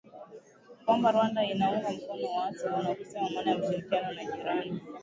kwamba Rwanda inaunga mkono waasi hao na kusema maana ya ushirikiano na jirani